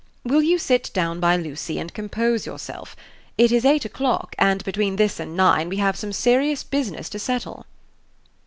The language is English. Will you sit down by Lucy and compose yourself? It is eight o'clock, and between this and nine we have some serious business to settle."